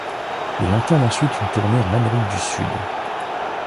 Il entame ensuite une tournée en Amérique du Sud.